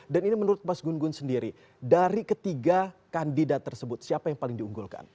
dan ini menurut mas gunggun sendiri dari ketiga kandidat tersebut siapa yang paling diunggulkan